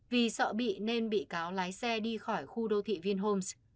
vì sợ bị nên bị cáo lái xe đi khỏi khu đô thị vinhomes